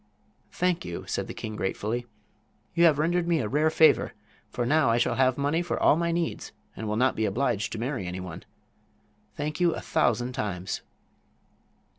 "Thank you," said the king, gratefully. "You have rendered me a rare favor; for now I shall have money for all my needs and will not be obliged to marry anyone. Thank you a thousand times!"